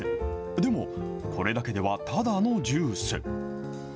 でも、これだけではただのジュース。